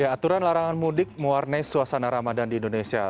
aturan larangan mudik mewarnai suasana ramadan di indonesia